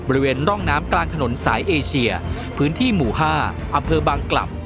บริเวณร่องน้ำกลางถนนสายเอเชียพื้นที่หมู่๕อำเภอบางกลับ